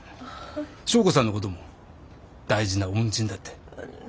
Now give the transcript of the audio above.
祥子さんのことも大事な恩人だって。